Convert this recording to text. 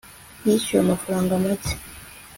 yishyuwe amafaranga make